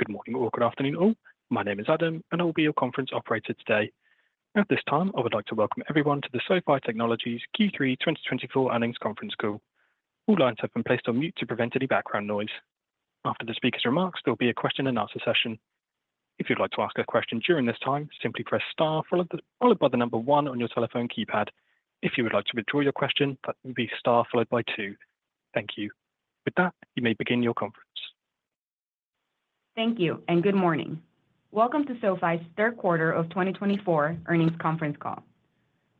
Good morning or good afternoon all. My name is Adam, and I will be your conference operator today. At this time, I would like to welcome everyone to the SoFi Technologies Q3 2024 Earnings Conference Call. All lines have been placed on mute to prevent any background noise. After the speaker's remarks, there will be a question and answer session. If you'd like to ask a question during this time, simply press star followed by the number one on your telephone keypad. If you would like to withdraw your question, that would be star followed by two. Thank you. With that, you may begin your conference. Thank you, and good morning. Welcome to SoFi's third quarter of 2024 earnings conference call.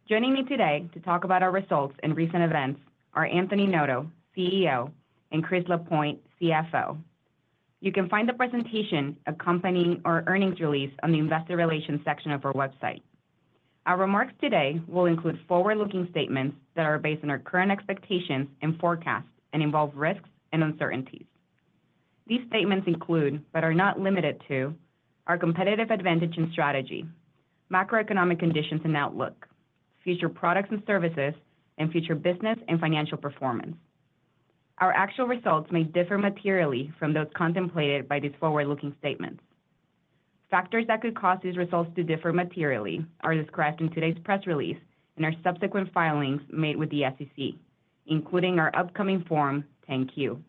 Joining me today to talk about our results and recent events are Anthony Noto, CEO, and Chris Lapointe, CFO. You can find the presentation, accompanying our earnings release on the Investor Relations section of our website. Our remarks today will include forward-looking statements that are based on our current expectations and forecasts and involve risks and uncertainties. These statements include, but are not limited to, our competitive advantage and strategy, macroeconomic conditions and outlook, future products and services, and future business and financial performance. Our actual results may differ materially from those contemplated by these forward-looking statements. Factors that could cause these results to differ materially are described in today's press release and our subsequent filings made with the SEC, including our upcoming Form 10-Q.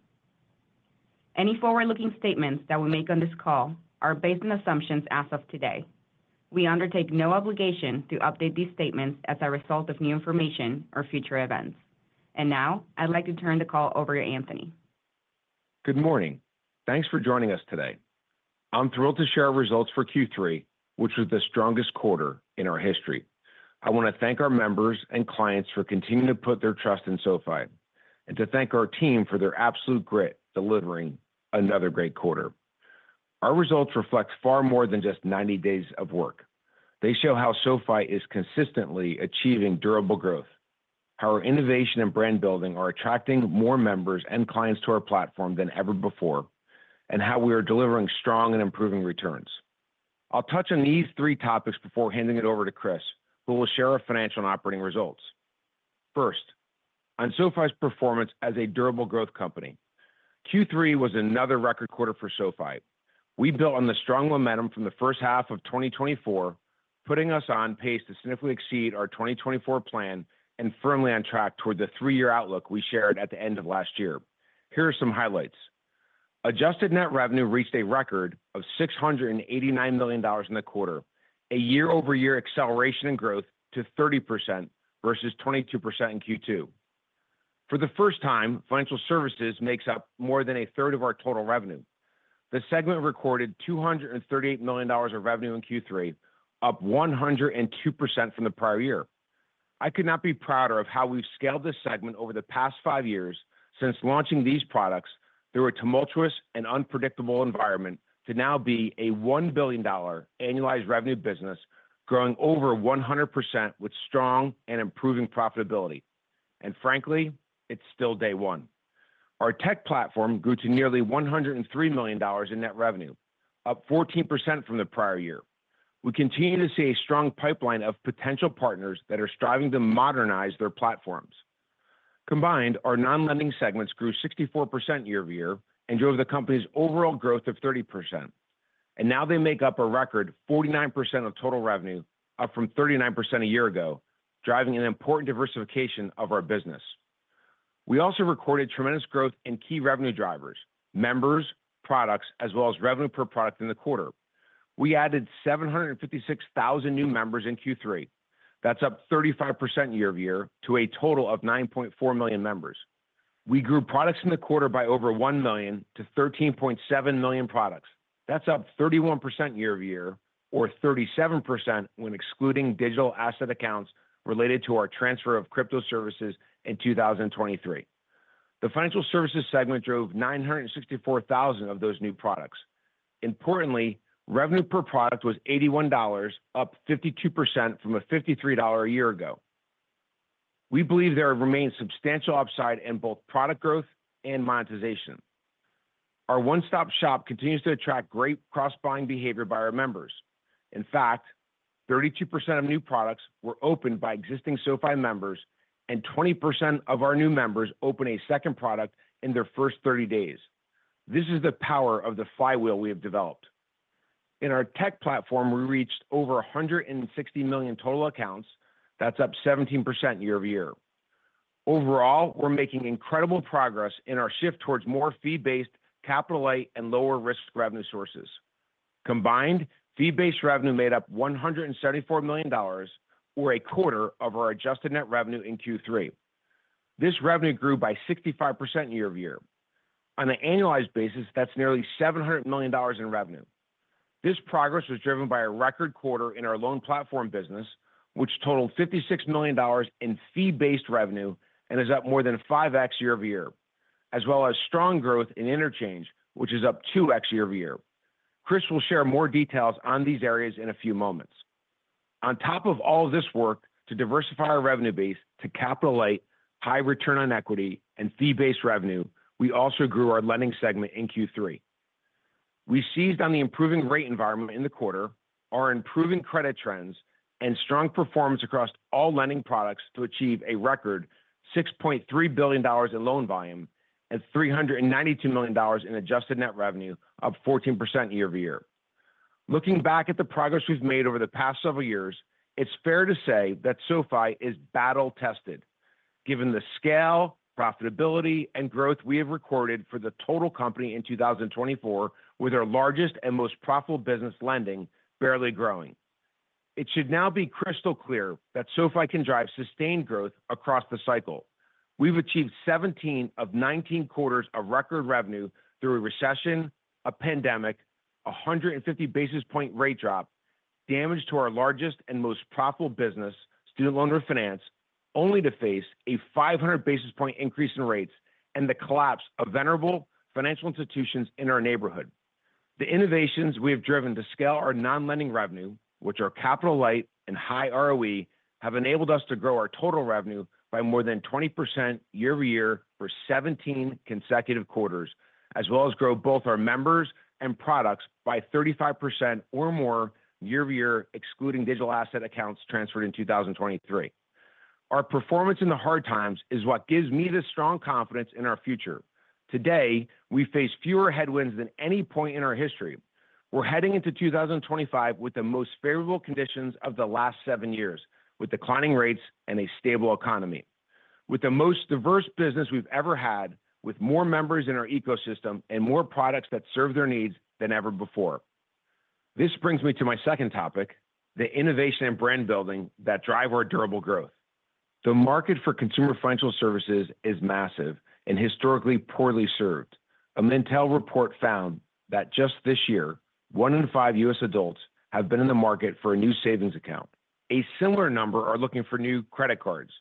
Any forward-looking statements that we make on this call are based on assumptions as of today. We undertake no obligation to update these statements as a result of new information or future events. And now, I'd like to turn the call over to Anthony. Good morning. Thanks for joining us today. I'm thrilled to share our results for Q3, which was the strongest quarter in our history. I want to thank our members and clients for continuing to put their trust in SoFi, and to thank our team for their absolute grit delivering another great quarter. Our results reflect far more than just 90 days of work. They show how SoFi is consistently achieving durable growth, how our innovation and brand building are attracting more members and clients to our platform than ever before, and how we are delivering strong and improving returns. I'll touch on these three topics before handing it over to Chris, who will share our financial and operating results. First, on SoFi's performance as a durable growth company, Q3 was another record quarter for SoFi. We built on the strong momentum from the first half of 2024, putting us on pace to snugly exceed our 2024 plan and firmly on track toward the three-year outlook we shared at the end of last year. Here are some highlights. Adjusted net revenue reached a record of $689 million in the quarter, a year-over-year acceleration in growth to 30% versus 22% in Q2. For the first time, financial services makes up more than a third of our total revenue. The segment recorded $238 million of revenue in Q3, up 102% from the prior year. I could not be prouder of how we've scaled this segment over the past five years since launching these products through a tumultuous and unpredictable environment to now be a $1 billion annualized revenue business growing over 100% with strong and improving profitability, and frankly, it's still day one. Our Tech Platform grew to nearly $103 million in net revenue, up 14% from the prior year. We continue to see a strong pipeline of potential partners that are striving to modernize their platforms. Combined, our non-lending segments grew 64% year-over-year and drove the company's overall growth of 30%. And now they make up a record 49% of total revenue, up from 39% a year ago, driving an important diversification of our business. We also recorded tremendous growth in key revenue drivers: members, products, as well as revenue per product in the quarter. We added 756,000 new members in Q3. That's up 35% year-over-year to a total of 9.4 million members. We grew products in the quarter by over 1 million to 13.7 million products. That's up 31% year-over-year, or 37% when excluding digital asset accounts related to our transfer of crypto services in 2023. The Financial Services segment drove 964,000 of those new products. Importantly, revenue per product was $81, up 52% from a $53 a year ago. We believe there remains substantial upside in both product growth and monetization. Our one-stop shop continues to attract great cross-buying behavior by our members. In fact, 32% of new products were opened by existing SoFi members, and 20% of our new members open a second product in their first 30 days. This is the power of the flywheel we have developed. In our Tech Platform, we reached over 160 million total accounts. That's up 17% year-over-year. Overall, we're making incredible progress in our shift towards more fee-based, capital-light, and lower-risk revenue sources. Combined, fee-based revenue made up $174 million, or 1/4 of our adjusted net revenue in Q3. This revenue grew by 65% year-over-year. On an annualized basis, that's nearly $700 million in revenue. This progress was driven by a record quarter in our Loan Platform Business, which totaled $56 million in fee-based revenue and is up more than 5x year-over-year, as well as strong growth in interchange, which is up 2x year-over-year. Chris will share more details on these areas in a few moments. On top of all of this work to diversify our revenue base to capital-light, high return on equity, and fee-based revenue, we also grew our Lending segment in Q3. We seized on the improving rate environment in the quarter, our improving credit trends, and strong performance across all lending products to achieve a record $6.3 billion in loan volume and $392 million in adjusted net revenue, up 14% year-over-year. Looking back at the progress we've made over the past several years, it's fair to say that SoFi is battle-tested, given the scale, profitability, and growth we have recorded for the total company in 2024, with our largest and most profitable business lending barely growing. It should now be crystal clear that SoFi can drive sustained growth across the cycle. We've achieved 17 of 19 quarters of record revenue through a recession, a pandemic, a 150 basis point rate drop, damage to our largest and most profitable business, student lender finance, only to face a 500 basis point increase in rates and the collapse of venerable financial institutions in our neighborhood. The innovations we have driven to scale our non-lending revenue, which are capital-light and high ROE, have enabled us to grow our total revenue by more than 20% year-over-year for 17 consecutive quarters, as well as grow both our members and products by 35% or more year-over-year, excluding digital asset accounts transferred in 2023. Our performance in the hard times is what gives me the strong confidence in our future. Today, we face fewer headwinds than any point in our history. We're heading into 2025 with the most favorable conditions of the last seven years, with declining rates and a stable economy, with the most diverse business we've ever had, with more members in our ecosystem and more products that serve their needs than ever before. This brings me to my second topic, the innovation and brand building that drive our durable growth. The market for consumer financial services is massive and historically poorly served. A Mintel report found that just this year, one in five U.S. adults have been in the market for a new savings account. A similar number are looking for new credit cards.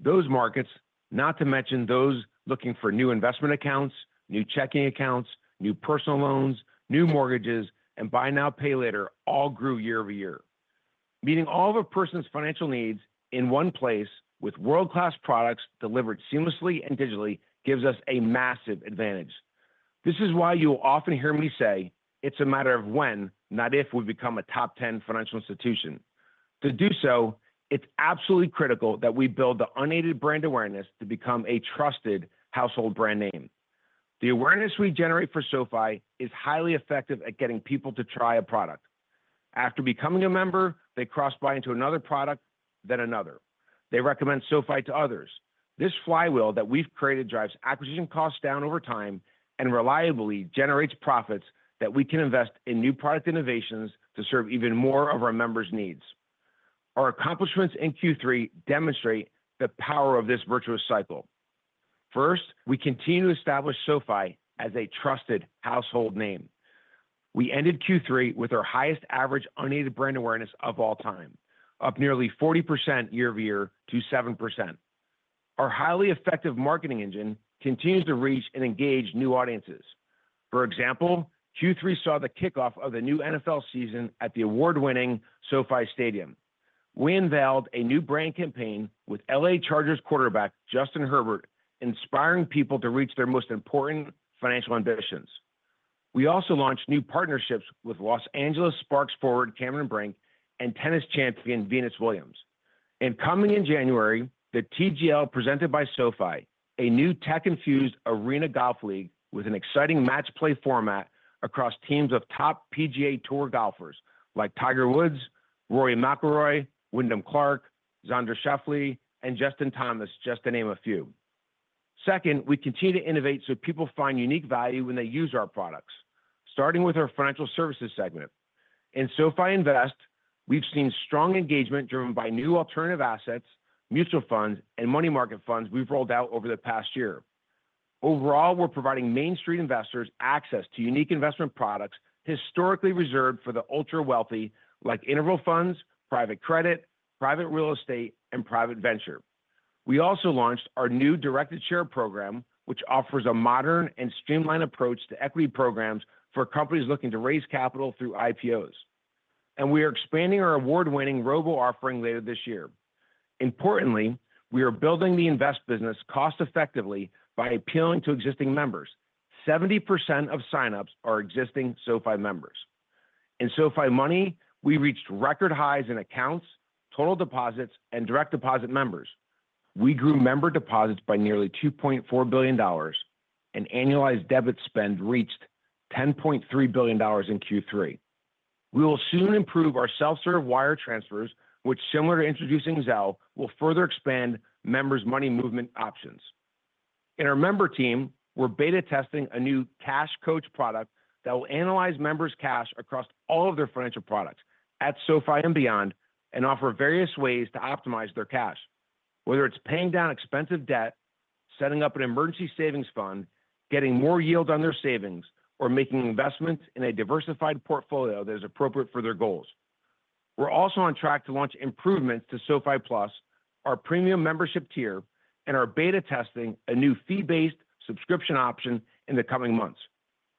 Those markets, not to mention those looking for new investment accounts, new checking accounts, new personal loans, new mortgages, and buy now, pay later all grew year-over-year. Meeting all of a person's financial needs in one place with world-class products delivered seamlessly and digitally gives us a massive advantage. This is why you will often hear me say it's a matter of when, not if, we become a top-10 financial institution. To do so, it's absolutely critical that we build the unaided brand awareness to become a trusted household brand name. The awareness we generate for SoFi is highly effective at getting people to try a product. After becoming a member, they cross-buy into another product, then another. They recommend SoFi to others. This flywheel that we've created drives acquisition costs down over time and reliably generates profits that we can invest in new product innovations to serve even more of our members' needs. Our accomplishments in Q3 demonstrate the power of this virtuous cycle. First, we continue to establish SoFi as a trusted household name. We ended Q3 with our highest average unaided brand awareness of all time, up nearly 40% year-over-year to 7%. Our highly effective marketing engine continues to reach and engage new audiences. For example, Q3 saw the kickoff of the new NFL season at the award-winning SoFi Stadium. We unveiled a new brand campaign with L.A. Chargers quarterback Justin Herbert, inspiring people to reach their most important financial ambitions. We also launched new partnerships with Los Angeles Sparks forward Cameron Brink and tennis champion Venus Williams, and coming in January, the TGL presented by SoFi, a new tech-infused arena golf league with an exciting match play format across teams of top PGA Tour golfers like Tiger Woods, Rory McIlroy, Wyndham Clark, Xander Schauffele, and Justin Thomas, just to name a few. Second, we continue to innovate so people find unique value when they use our products, starting with our Financial Services segment. In SoFi Invest, we've seen strong engagement driven by new alternative assets, mutual funds, and money market funds we've rolled out over the past year. Overall, we're providing mainstream investors access to unique investment products historically reserved for the ultra-wealthy, like interval funds, private credit, private real estate, and private venture. We also launched our new directed share program, which offers a modern and streamlined approach to equity programs for companies looking to raise capital through IPOs. And we are expanding our award-winning robo offering later this year. Importantly, we are building the Invest business cost-effectively by appealing to existing members. 70% of signups are existing SoFi members. In SoFi Money, we reached record highs in accounts, total deposits, and direct deposit members. We grew member deposits by nearly $2.4 billion, and annualized debit spend reached $10.3 billion in Q3. We will soon improve our self-serve wire transfers, which, similar to introducing Zelle, will further expand members' money movement options. In our member team, we're beta testing a new Cash Coach product that will analyze members' cash across all of their financial products at SoFi and beyond and offer various ways to optimize their cash, whether it's paying down expensive debt, setting up an emergency savings fund, getting more yield on their savings, or making investments in a diversified portfolio that is appropriate for their goals. We're also on track to launch improvements to SoFi Plus, our premium membership tier, and are beta testing a new fee-based subscription option in the coming months.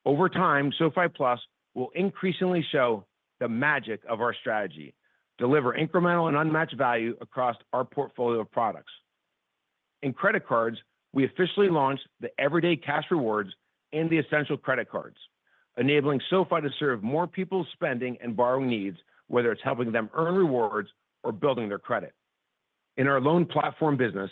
Over time, SoFi Plus will increasingly show the magic of our strategy, deliver incremental and unmatched value across our portfolio of products. In Credit Cards, we officially launched the Everyday Cash Rewards and the Essential Credit Card, enabling SoFi to serve more people's spending and borrowing needs, whether it's helping them earn rewards or building their credit. In our Loan Platform Business,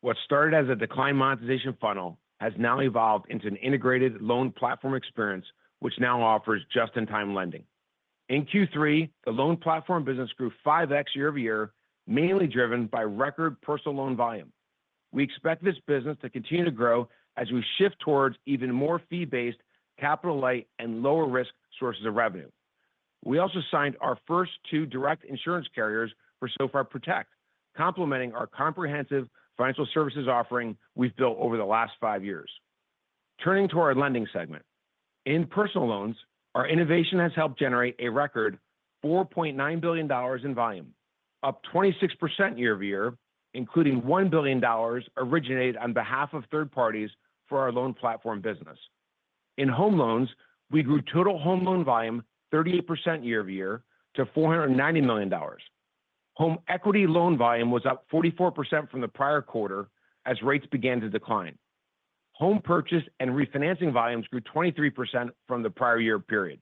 what started as a decline monetization funnel has now evolved into an integrated Loan Platform experience, which now offers just-in-time lending. In Q3, the Loan Platform Business grew 5x year-over-year, mainly driven by record personal loan volume. We expect this business to continue to grow as we shift towards even more fee-based, capital-light, and lower-risk sources of revenue. We also signed our first two direct insurance carriers for SoFi Protect, complementing our comprehensive financial services offering we've built over the last five years. Turning to our Lending segment, in personal loans, our innovation has helped generate a record $4.9 billion in volume, up 26% year-over-year, including $1 billion originated on behalf of third parties for our Loan Platform Business. In home loans, we grew total home loan volume 38% year-over-year to $490 million. Home equity loan volume was up 44% from the prior quarter as rates began to decline. Home purchase and refinancing volumes grew 23% from the prior year period.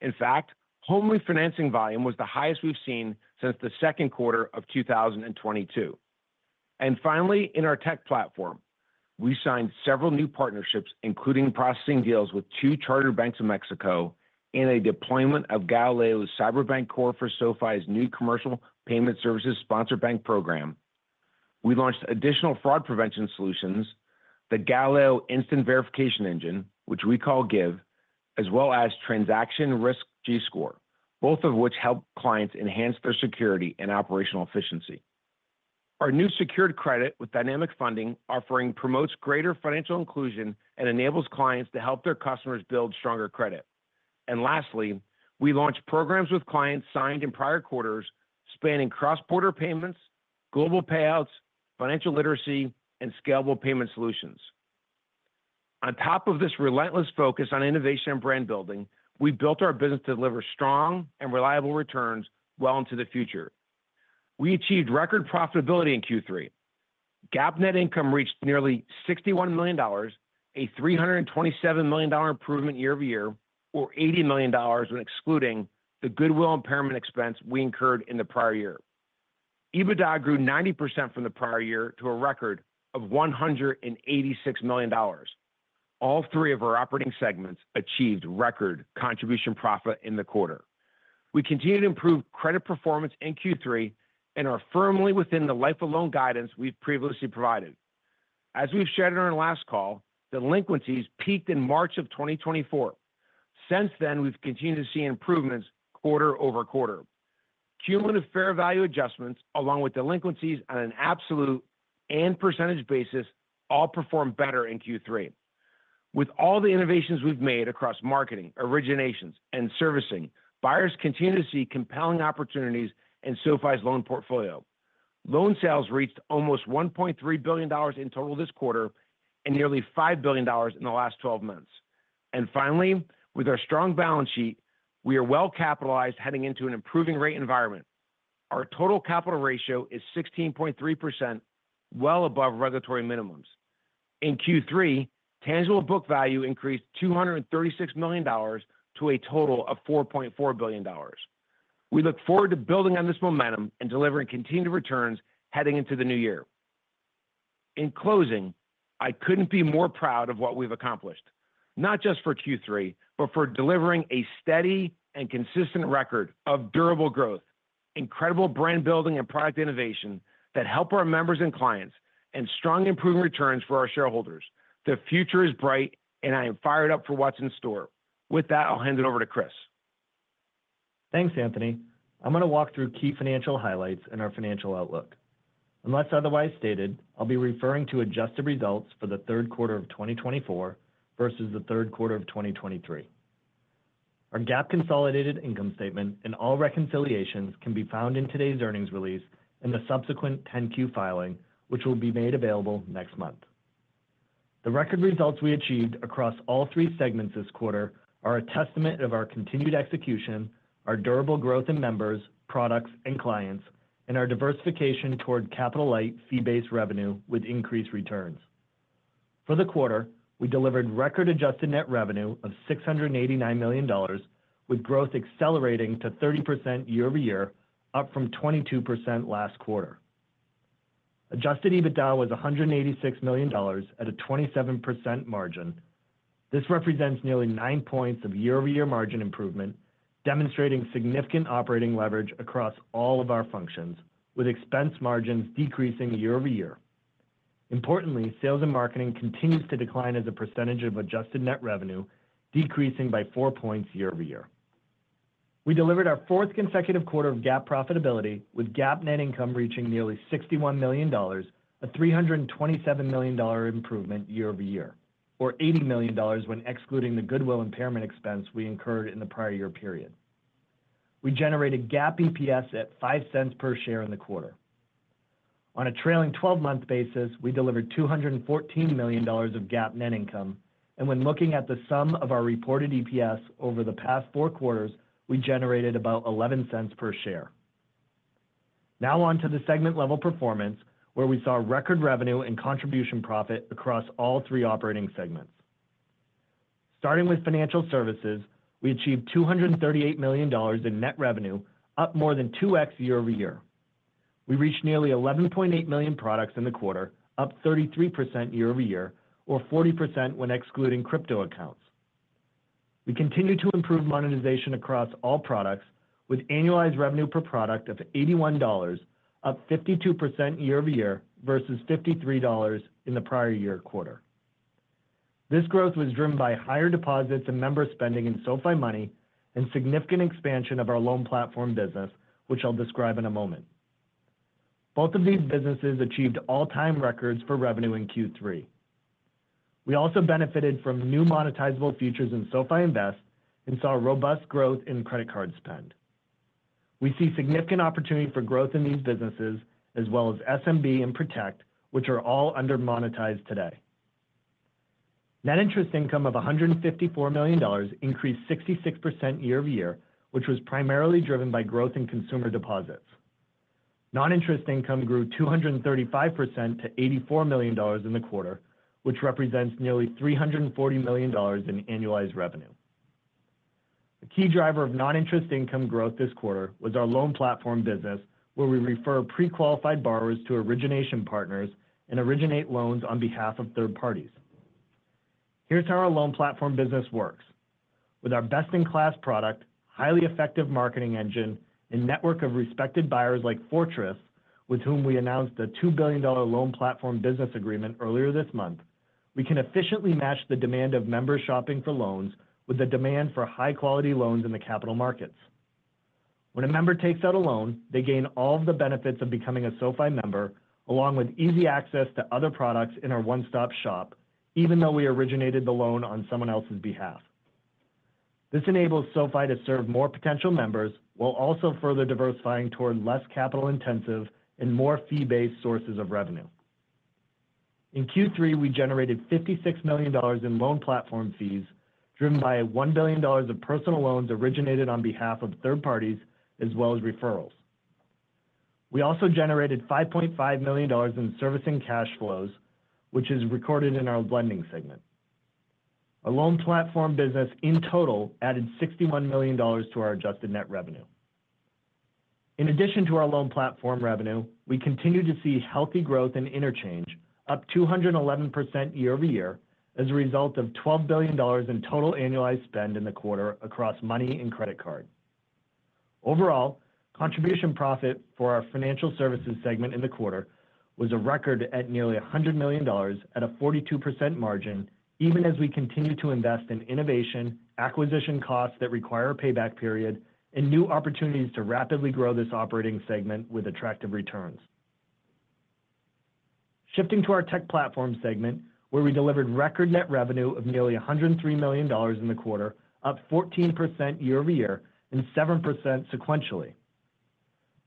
In fact, home refinancing volume was the highest we've seen since the second quarter of 2022. And finally, in our Tech Platform, we signed several new partnerships, including processing deals with two chartered banks in Mexico and a deployment of Galileo's Cyberbank Core for SoFi's new commercial payment services sponsor bank program. We launched additional fraud prevention solutions, the Galileo Instant Verification Engine, which we call GIVE, as well as Transaction Risk G-Score, both of which help clients enhance their security and operational efficiency. Our new Secured Credit with Dynamic Funding offering promotes greater financial inclusion and enables clients to help their customers build stronger credit. And lastly, we launched programs with clients signed in prior quarters spanning cross-border payments, global payouts, financial literacy, and scalable payment solutions. On top of this relentless focus on innovation and brand building, we built our business to deliver strong and reliable returns well into the future. We achieved record profitability in Q3. GAAP net income reached nearly $61 million, a $327 million improvement year-over-year, or $80 million when excluding the goodwill impairment expense we incurred in the prior year. EBITDA grew 90% from the prior year to a record of $186 million. All three of our operating segments achieved record contribution profit in the quarter. We continue to improve credit performance in Q3 and are firmly within the life of loan guidance we've previously provided. As we've shared in our last call, delinquencies peaked in March of 2024. Since then, we've continued to see improvements quarter over quarter. Cumulative fair value adjustments, along with delinquencies on an absolute and percentage basis, all performed better in Q3. With all the innovations we've made across marketing, originations, and servicing, buyers continue to see compelling opportunities in SoFi's loan portfolio. Loan sales reached almost $1.3 billion in total this quarter and nearly $5 billion in the last 12 months. And finally, with our strong balance sheet, we are well capitalized heading into an improving rate environment. Our total capital ratio is 16.3%, well above regulatory minimums. In Q3, tangible book value increased $236 million to a total of $4.4 billion. We look forward to building on this momentum and delivering continued returns heading into the new year. In closing, I couldn't be more proud of what we've accomplished, not just for Q3, but for delivering a steady and consistent record of durable growth, incredible brand building, and product innovation that help our members and clients, and strong improving returns for our shareholders. The future is bright, and I am fired up for what's in store. With that, I'll hand it over to Chris. Thanks, Anthony. I'm going to walk through key financial highlights in our financial outlook. Unless otherwise stated, I'll be referring to adjusted results for the third quarter of 2024 versus the third quarter of 2023. Our GAAP consolidated income statement and all reconciliations can be found in today's earnings release and the subsequent 10-Q filing, which will be made available next month. The record results we achieved across all three segments this quarter are a testament of our continued execution, our durable growth in members, products, and clients, and our diversification toward capital-light, fee-based revenue with increased returns. For the quarter, we delivered record adjusted net revenue of $689 million, with growth accelerating to 30% year-over-year, up from 22% last quarter. Adjusted EBITDA was $186 million at a 27% margin. This represents nearly nine points of year-over-year margin improvement, demonstrating significant operating leverage across all of our functions, with expense margins decreasing year-over-year. Importantly, sales and marketing continues to decline as a percentage of adjusted net revenue, decreasing by four points year-over-year. We delivered our fourth consecutive quarter of GAAP profitability, with GAAP net income reaching nearly $61 million, a $327 million improvement year-over-year, or $80 million when excluding the goodwill impairment expense we incurred in the prior year period. We generated GAAP EPS at $0.05 per share in the quarter. On a trailing 12-month basis, we delivered $214 million of GAAP net income, and when looking at the sum of our reported EPS over the past four quarters, we generated about $0.11 per share. Now on to the segment-level performance, where we saw record revenue and contribution profit across all three operating segments. Starting with financial services, we achieved $238 million in net revenue, up more than 2x year-over-year. We reached nearly 11.8 million products in the quarter, up 33% year-over-year, or 40% when excluding crypto accounts. We continue to improve monetization across all products, with annualized revenue per product of $81, up 52% year-over-year versus $53 in the prior year quarter. This growth was driven by higher deposits and member spending in SoFi Money and significant expansion of our Loan Platform Business, which I'll describe in a moment. Both of these businesses achieved all-time records for revenue in Q3. We also benefited from new monetizable features in SoFi Invest and saw robust growth in credit card spend. We see significant opportunity for growth in these businesses, as well as SMB and Protect, which are all under-monetized today. Net interest income of $154 million increased 66% year-over-year, which was primarily driven by growth in consumer deposits. Non-interest income grew 235% to $84 million in the quarter, which represents nearly $340 million in annualized revenue. A key driver of non-interest income growth this quarter was our Loan Platform Business, where we refer pre-qualified borrowers to origination partners and originate loans on behalf of third parties. Here's how our Loan Platform Business works. With our best-in-class product, highly effective marketing engine, and network of respected buyers like Fortress, with whom we announced a $2 billion Loan Platform Business agreement earlier this month, we can efficiently match the demand of members shopping for loans with the demand for high-quality loans in the capital markets. When a member takes out a loan, they gain all of the benefits of becoming a SoFi member, along with easy access to other products in our one-stop shop, even though we originated the loan on someone else's behalf. This enables SoFi to serve more potential members while also further diversifying toward less capital-intensive and more fee-based sources of revenue. In Q3, we generated $56 million in Loan Platform fees driven by $1 billion of personal loans originated on behalf of third parties, as well as referrals. We also generated $5.5 million in servicing cash flows, which is recorded in our Lending segment. Our Loan Platform Business in total added $61 million to our adjusted net revenue. In addition to our Loan Platform revenue, we continue to see healthy growth in interchange, up 211% year-over-year as a result of $12 billion in total annualized spend in the quarter across Money and Credit Card. Overall, contribution profit for our Financial Services segment in the quarter was a record at nearly $100 million at a 42% margin, even as we continue to invest in innovation, acquisition costs that require a payback period, and new opportunities to rapidly grow this operating segment with attractive returns. Shifting to our Tech Platform segment, where we delivered record net revenue of nearly $103 million in the quarter, up 14% year-over-year and 7% sequentially.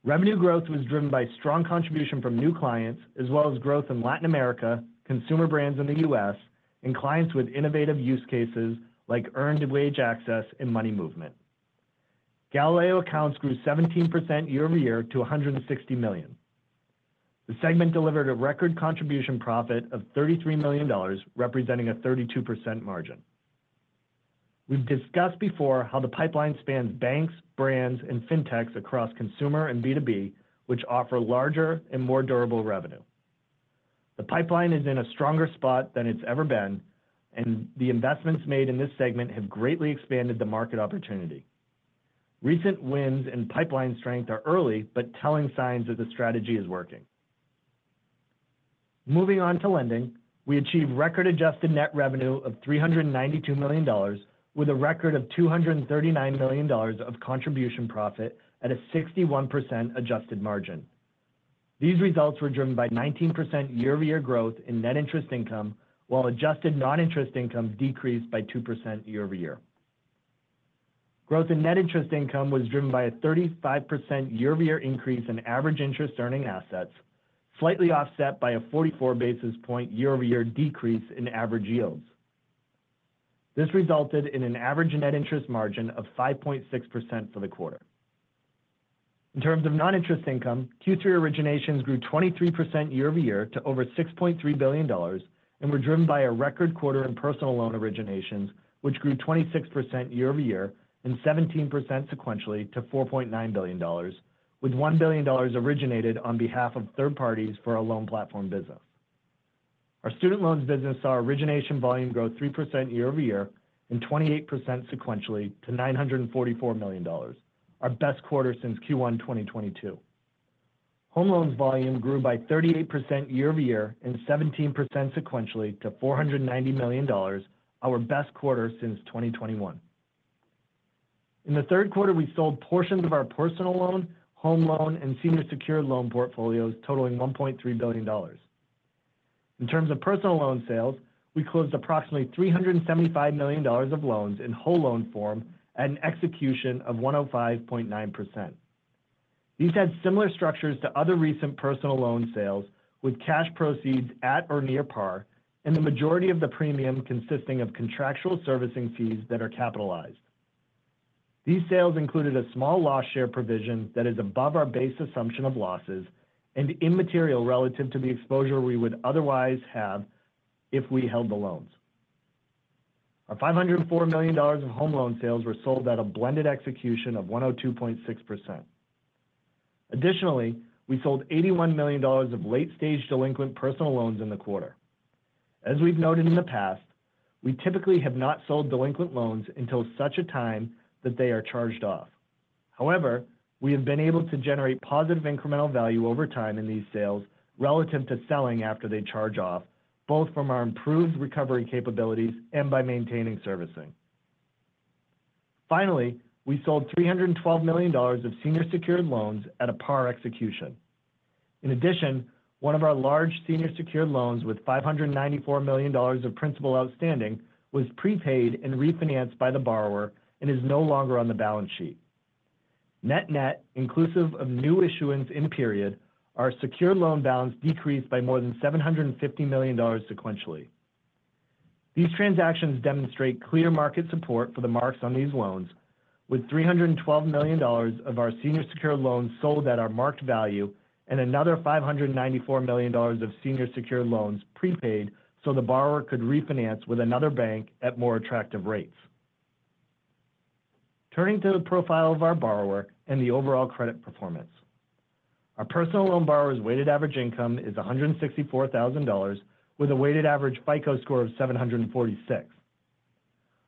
Revenue growth was driven by strong contribution from new clients, as well as growth in Latin America, consumer brands in the U.S., and clients with innovative use cases like earned wage access and money movement. Galileo accounts grew 17% year-over-year to $160 million. The segment delivered a record contribution profit of $33 million, representing a 32% margin. We've discussed before how the pipeline spans banks, brands, and fintechs across consumer and B2B, which offer larger and more durable revenue. The pipeline is in a stronger spot than it's ever been, and the investments made in this segment have greatly expanded the market opportunity. Recent wins in pipeline strength are early, but telling signs that the strategy is working. Moving on to Lending, we achieved record adjusted net revenue of $392 million, with a record of $239 million of contribution profit at a 61% adjusted margin. These results were driven by 19% year-over-year growth in net interest income, while adjusted non-interest income decreased by 2% year-over-year. Growth in net interest income was driven by a 35% year-over-year increase in average interest-earning assets, slightly offset by a 44 basis point year-over-year decrease in average yields. This resulted in an average net interest margin of 5.6% for the quarter. In terms of non-interest income, Q3 originations grew 23% year-over-year to over $6.3 billion and were driven by a record quarter in personal loan originations, which grew 26% year-over-year and 17% sequentially to $4.9 billion, with $1 billion originated on behalf of third parties for our Loan Platform Business. Our student loans business saw origination volume grow 3% year-over-year and 28% sequentially to $944 million, our best quarter since Q1 2022. Home loans volume grew by 38% year-over-year and 17% sequentially to $490 million, our best quarter since 2021. In the third quarter, we sold portions of our personal loan, home loan, and senior secured loan portfolios, totaling $1.3 billion. In terms of personal loan sales, we closed approximately $375 million of loans in whole loan form at an execution of 105.9%. These had similar structures to other recent personal loan sales, with cash proceeds at or near par, and the majority of the premium consisting of contractual servicing fees that are capitalized. These sales included a small loss share provision that is above our base assumption of losses and immaterial relative to the exposure we would otherwise have if we held the loans. Our $504 million of home loan sales were sold at a blended execution of 102.6%. Additionally, we sold $81 million of late-stage delinquent personal loans in the quarter. As we've noted in the past, we typically have not sold delinquent loans until such a time that they are charged off. However, we have been able to generate positive incremental value over time in these sales relative to selling after they charge off, both from our improved recovery capabilities and by maintaining servicing. Finally, we sold $312 million of senior secured loans at a par execution. In addition, one of our large senior secured loans with $594 million of principal outstanding was prepaid and refinanced by the borrower and is no longer on the balance sheet. Net-net, inclusive of new issuance in period, our secured loan balance decreased by more than $750 million sequentially. These transactions demonstrate clear market support for the marks on these loans, with $312 million of our senior secured loans sold at our marked value and another $594 million of senior secured loans prepaid so the borrower could refinance with another bank at more attractive rates. Turning to the profile of our borrower and the overall credit performance, our personal loan borrower's weighted average income is $164,000, with a weighted average FICO score of 746.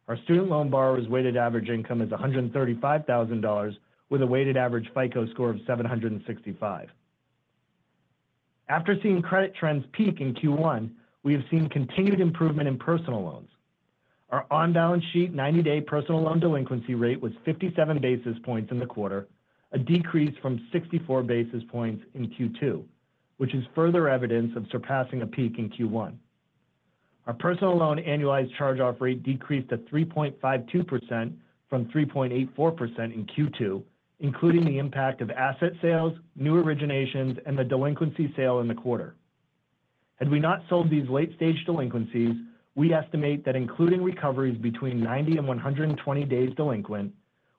Our student loan borrower's weighted average income is $135,000, with a weighted average FICO score of 765. After seeing credit trends peak in Q1, we have seen continued improvement in personal loans. Our on-balance sheet 90-day personal loan delinquency rate was 57 basis points in the quarter, a decrease from 64 basis points in Q2, which is further evidence of surpassing a peak in Q1. Our personal loan annualized charge-off rate decreased to 3.52% from 3.84% in Q2, including the impact of asset sales, new originations, and the delinquency sale in the quarter. Had we not sold these late-stage delinquencies, we estimate that including recoveries between 90 and 120 days delinquent,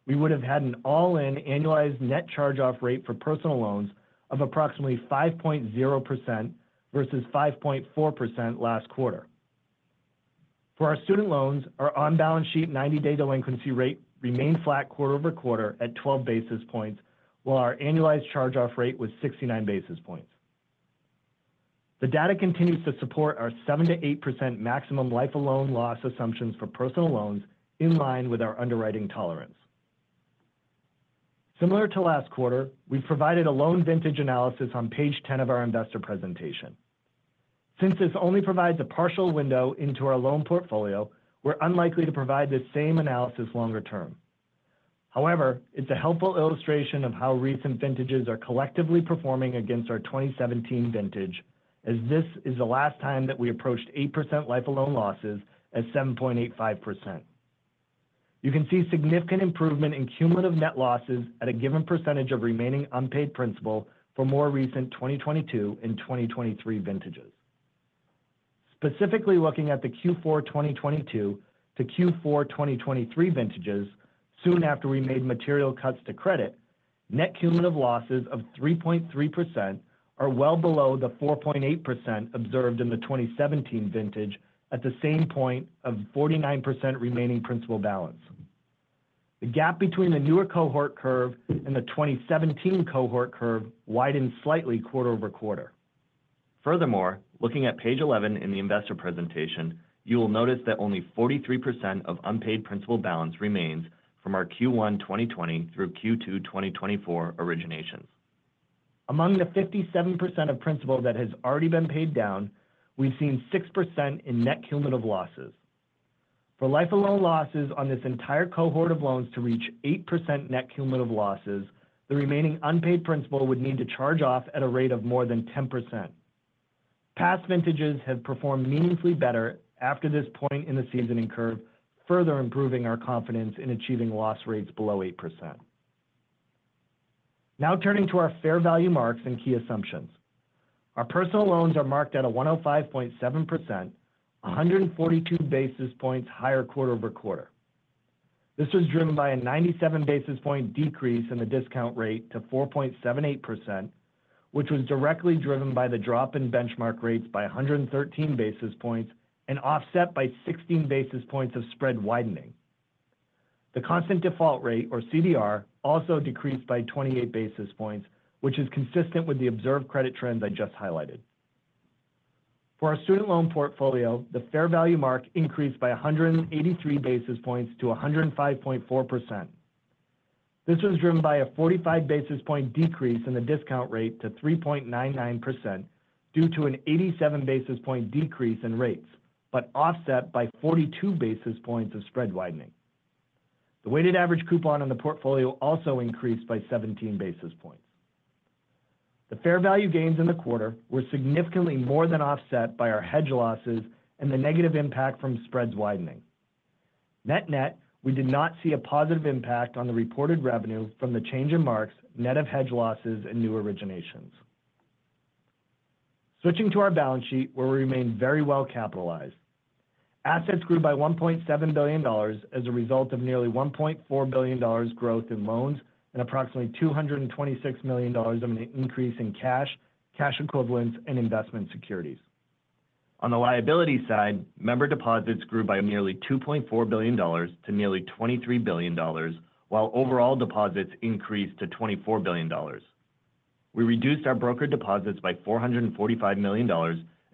we would have had an all-in annualized net charge-off rate for personal loans of approximately 5.0% versus 5.4% last quarter. For our student loans, our on-balance sheet 90-day delinquency rate remained flat quarter over quarter at 12 basis points, while our annualized charge-off rate was 69 basis points. The data continues to support our 7%-8% maximum life of loan loss assumptions for personal loans in line with our underwriting tolerance. Similar to last quarter, we've provided a loan vintage analysis on page 10 of our investor presentation. Since this only provides a partial window into our loan portfolio, we're unlikely to provide the same analysis longer term. However, it's a helpful illustration of how recent vintages are collectively performing against our 2017 vintage, as this is the last time that we approached 8% life of loan losses at 7.85%. You can see significant improvement in cumulative net losses at a given percentage of remaining unpaid principal for more recent 2022 and 2023 vintages. Specifically looking at the Q4 2022 to Q4 2023 vintages, soon after we made material cuts to credit, net cumulative losses of 3.3% are well below the 4.8% observed in the 2017 vintage at the same point of 49% remaining principal balance. The gap between the newer cohort curve and the 2017 cohort curve widens slightly quarter over quarter. Furthermore, looking at page 11 in the investor presentation, you will notice that only 43% of unpaid principal balance remains from our Q1 2020 through Q2 2024 originations. Among the 57% of principal that has already been paid down, we've seen 6% in net cumulative losses. For life of loan losses on this entire cohort of loans to reach 8% net cumulative losses, the remaining unpaid principal would need to charge off at a rate of more than 10%. Past vintages have performed meaningfully better after this point in the seasoning curve, further improving our confidence in achieving loss rates below 8%. Now turning to our fair value marks and key assumptions. Our personal loans are marked at a 105.7%, 142 basis points higher quarter over quarter. This was driven by a 97 basis point decrease in the discount rate to 4.78%, which was directly driven by the drop in benchmark rates by 113 basis points and offset by 16 basis points of spread widening. The constant default rate, or CDR, also decreased by 28 basis points, which is consistent with the observed credit trends I just highlighted. For our student loan portfolio, the fair value mark increased by 183 basis points to 105.4%. This was driven by a 45 basis point decrease in the discount rate to 3.99% due to an 87 basis point decrease in rates, but offset by 42 basis points of spread widening. The weighted average coupon in the portfolio also increased by 17 basis points. The fair value gains in the quarter were significantly more than offset by our hedge losses and the negative impact from spreads widening. Net-net, we did not see a positive impact on the reported revenue from the change in marks, net of hedge losses, and new originations. Switching to our balance sheet, where we remained very well capitalized. Assets grew by $1.7 billion as a result of nearly $1.4 billion growth in loans and approximately $226 million of an increase in cash, cash equivalents, and investment securities. On the liability side, member deposits grew by nearly $2.4 billion to nearly $23 billion, while overall deposits increased to $24 billion. We reduced our broker deposits by $445 million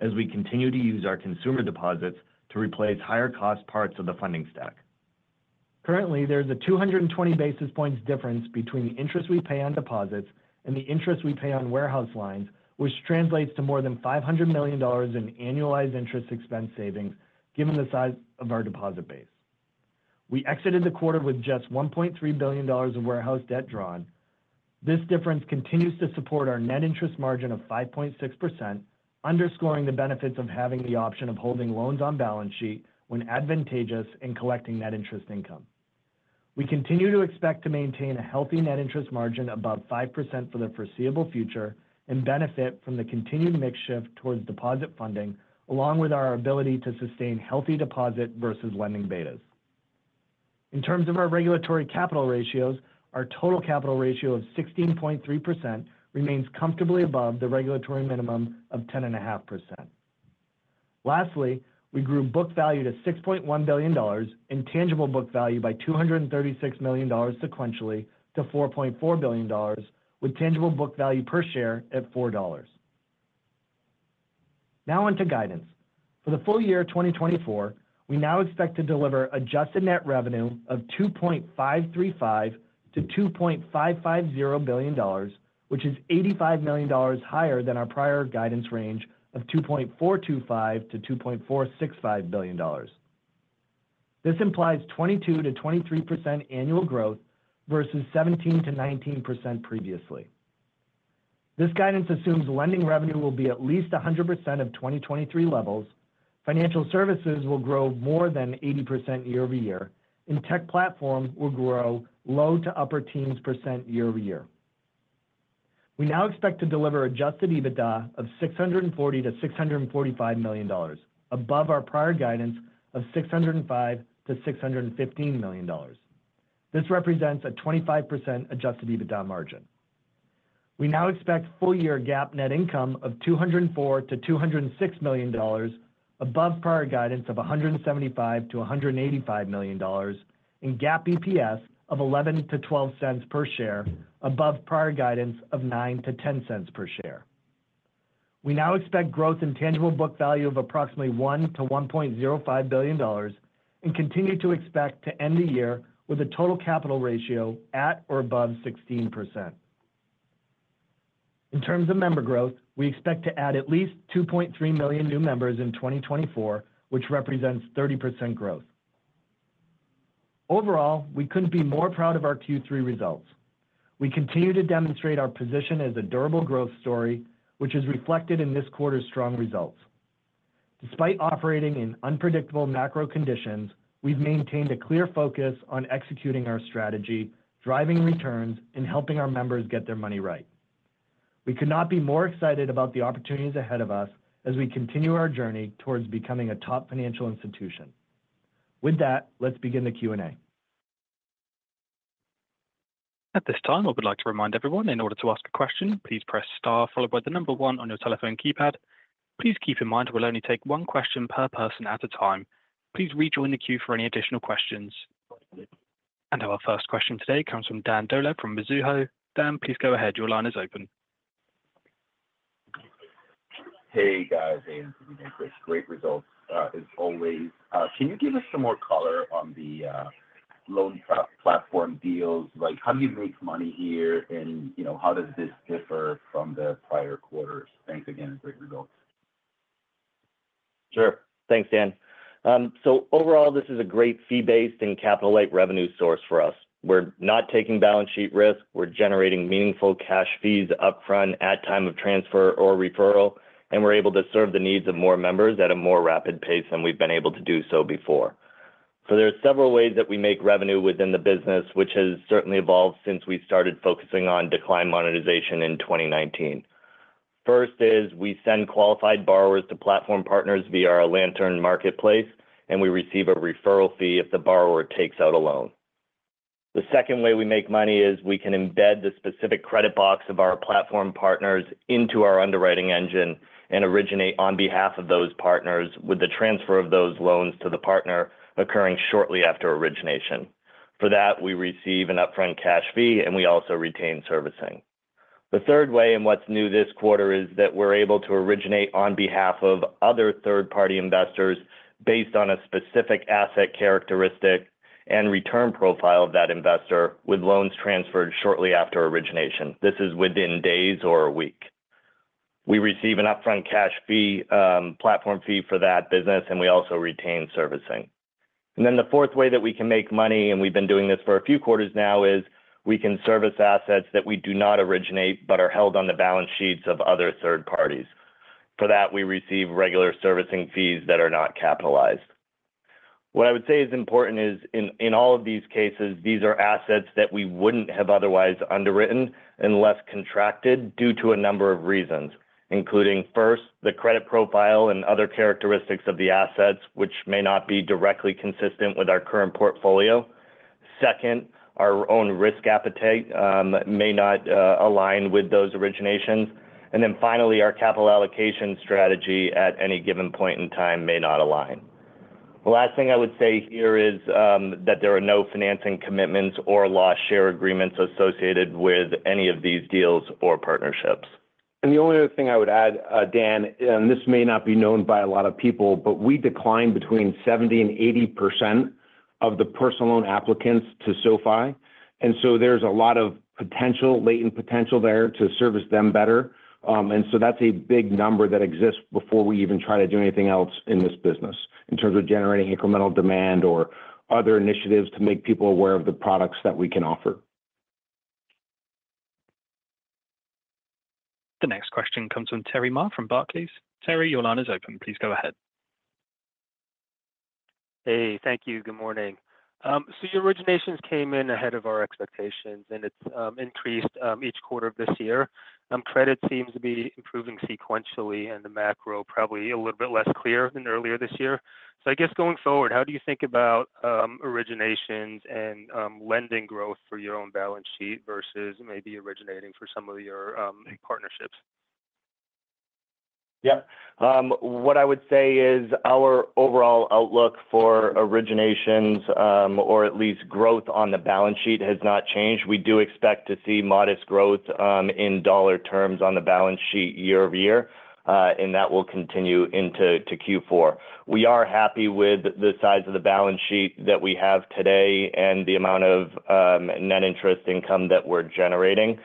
as we continue to use our consumer deposits to replace higher-cost parts of the funding stack. Currently, there is a 220 basis points difference between the interest we pay on deposits and the interest we pay on warehouse lines, which translates to more than $500 million in annualized interest expense savings given the size of our deposit base. We exited the quarter with just $1.3 billion of warehouse debt drawn. This difference continues to support our net interest margin of 5.6%, underscoring the benefits of having the option of holding loans on balance sheet when advantageous in collecting net interest income. We continue to expect to maintain a healthy net interest margin above 5% for the foreseeable future and benefit from the continued mix shift towards deposit funding, along with our ability to sustain healthy deposit versus lending betas. In terms of our regulatory capital ratios, our total capital ratio of 16.3% remains comfortably above the regulatory minimum of 10.5%. Lastly, we grew book value to $6.1 billion and tangible book value by $236 million sequentially to $4.4 billion, with tangible book value per share at $4. Now on to guidance. For the full year 2024, we now expect to deliver adjusted net revenue of $2.535 billion-$2.550 billion, which is $85 million higher than our prior guidance range of $2.425 billion-$2.465 billion. This implies 22%-23% annual growth versus 17%-19% previously. This guidance assumes Lending revenue will be at least 100% of 2023 levels, Financial Services will grow more than 80% year-over-year, and Tech Platforms will grow low to upper teens% year-over-year. We now expect to deliver adjusted EBITDA of $640 million-$645 million, above our prior guidance of $605 million-$615 million. This represents a 25% adjusted EBITDA margin. We now expect full-year GAAP net income of $204 million-$206 million, above prior guidance of $175 million-$185 million, and GAAP EPS of $0.11-$0.12 per share, above prior guidance of $0.09-$0.10 per share. We now expect growth in tangible book value of approximately $1 billion-$1.05 billion and continue to expect to end the year with a total capital ratio at or above 16%. In terms of member growth, we expect to add at least 2.3 million new members in 2024, which represents 30% growth. Overall, we couldn't be more proud of our Q3 results. We continue to demonstrate our position as a durable growth story, which is reflected in this quarter's strong results. Despite operating in unpredictable macro conditions, we've maintained a clear focus on executing our strategy, driving returns, and helping our members get their money right. We could not be more excited about the opportunities ahead of us as we continue our journey towards becoming a top financial institution. With that, let's begin the Q&A. At this time, I would like to remind everyone in order to ask a question, please press star followed by the number one on your telephone keypad. Please keep in mind we'll only take one question per person at a time. Please rejoin the queue for any additional questions. And our first question today comes from Dan Dolev from Mizuho. Dan, please go ahead. Your line is open. Hey, guys. And great results, as always. Can you give us some more color on the Loan Platform deals? Like, how do you make money here and how does this differ from the prior quarters? Thanks again and great results. Sure. Thanks, Dan. So overall, this is a great fee-based and capital-light revenue source for us. We're not taking balance sheet risk. We're generating meaningful cash fees upfront at time of transfer or referral, and we're able to serve the needs of more members at a more rapid pace than we've been able to do so before. So there are several ways that we make revenue within the business, which has certainly evolved since we started focusing on decline monetization in 2019. First is we send qualified borrowers to platform partners via our Lantern Marketplace, and we receive a referral fee if the borrower takes out a loan. The second way we make money is we can embed the specific credit box of our platform partners into our underwriting engine and originate on behalf of those partners, with the transfer of those loans to the partner occurring shortly after origination. For that, we receive an upfront cash fee, and we also retain servicing. The third way and what's new this quarter is that we're able to originate on behalf of other third-party investors based on a specific asset characteristic and return profile of that investor with loans transferred shortly after origination. This is within days or a week. We receive an upfront cash fee, platform fee for that business, and we also retain servicing. And then the fourth way that we can make money, and we've been doing this for a few quarters now, is we can service assets that we do not originate but are held on the balance sheets of other third parties. For that, we receive regular servicing fees that are not capitalized. What I would say is important is in all of these cases, these are assets that we wouldn't have otherwise underwritten unless contracted due to a number of reasons, including first, the credit profile and other characteristics of the assets, which may not be directly consistent with our current portfolio. Second, our own risk appetite may not align with those originations. And then finally, our capital allocation strategy at any given point in time may not align. The last thing I would say here is that there are no financing commitments or loss share agreements associated with any of these deals or partnerships. And the only other thing I would add, Dan, and this may not be known by a lot of people, but we decline between 70% and 80% of the personal loan applicants to SoFi. And so there's a lot of potential, latent potential there to service them better. And so that's a big number that exists before we even try to do anything else in this business in terms of generating incremental demand or other initiatives to make people aware of the products that we can offer. The next question comes from Terry Ma from Barclays. Terry, your line is open. Please go ahead. Hey, thank you. Good morning. So your originations came in ahead of our expectations, and it's increased each quarter of this year. Credit seems to be improving sequentially, and the macro probably a little bit less clear than earlier this year. So I guess going forward, how do you think about originations and lending growth for your own balance sheet versus maybe originating for some of your partnerships? Yep. What I would say is our overall outlook for originations, or at least growth on the balance sheet, has not changed. We do expect to see modest growth in dollar terms on the balance sheet year-over-year, and that will continue into Q4. We are happy with the size of the balance sheet that we have today and the amount of net interest income that we're generating.